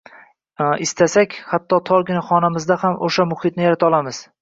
Istasak, hatto torgina xonamizda ham oʻsha muhitni yarata olamiz.